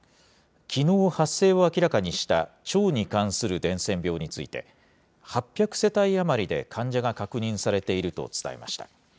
きのう発生を明らかにした腸に関する伝染病について、８００世帯余りで患者が確認されていると伝えました。